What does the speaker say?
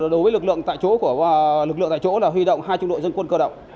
đối với lực lượng tại chỗ là huy động hai trung đội dân quân cơ động